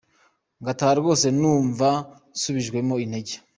Ngataha rwose numva nsubijwemo intege.